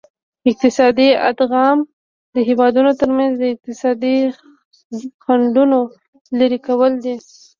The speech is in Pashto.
اقتصادي ادغام د هیوادونو ترمنځ د اقتصادي خنډونو لرې کول دي